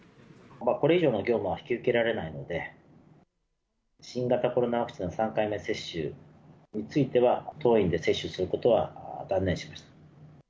これ以上の業務は引き受けられないので、新型コロナワクチンの３回目接種については、当院で接種することは断念しました。